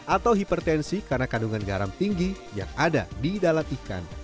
atau hipertensi karena kandungan garam tinggi yang ada di dalam ikan